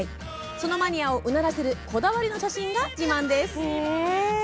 そのマニアをうならせるこだわりの写真が自慢です。